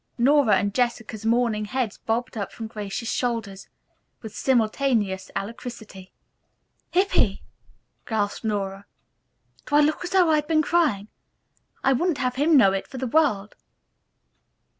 Nora's and Jessica's mourning heads bobbed up from Grace's shoulders with simultaneous alacrity. "Hippy!" gasped Nora. "Do I look as though I'd been crying? I wouldn't have him know it for the world."